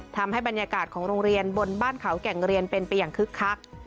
ทำให้บรรยากาศของโรงเรียนบนบ้านเขาแก่งเรียนเป็นไปอย่างคึกคัก